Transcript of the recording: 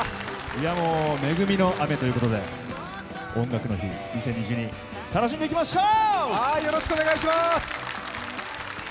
いや、もう恵みの雨ということで「音楽の日２０２２」楽しんでいきましょう！